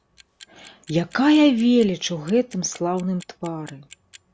Якая веліч у гэтым слаўным твары!